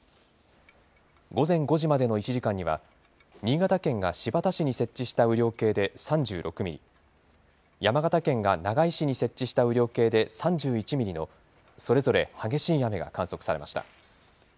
午前５時までの１時間には、新潟県が新発田市に設置した雨量計で３６ミリ、山形県が長井市に設置した雨量計で３１ミリの、それぞれ激しい雨が観測されました。